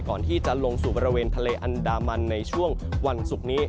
ก่อนที่จะลงสู่บริเวณทะเลอันดามันในช่วงวันศุกร์นี้